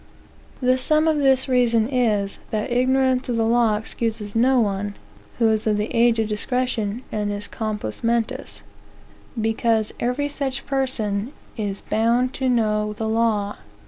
The sum of this reason is, that ignorance of the law excuses no one, (who is of the age of discretion and is compos mentis,) because every such person "is bound to know the law."